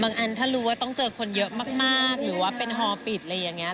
อันถ้ารู้ว่าต้องเจอคนเยอะมากหรือว่าเป็นฮอปิดอะไรอย่างนี้